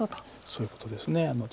そういうことです。